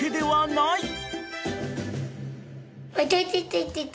はい。